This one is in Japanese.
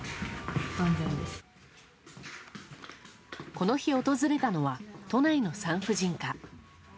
この日、訪れたのは都内の産婦人科。